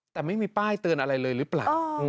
แต่ไม่มีป้ายเตือนอะไรเลยหรือเปล่า